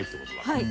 はい。